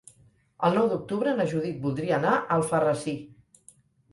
El nou d'octubre na Judit voldria anar a Alfarrasí.